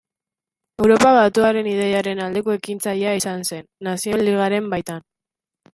Europa batuaren ideiaren aldeko ekintzailea izan zen, Nazioen Ligaren baitan.